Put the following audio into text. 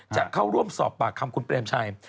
จะเข้าร่วมสอบปากคำคุณเปรมชัย